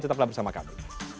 tetaplah bersama kami